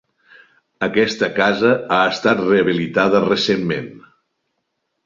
Aquesta casa ha estat rehabilitada recentment.